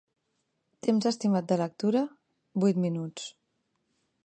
Temps estimat de lectura: vuit minuts.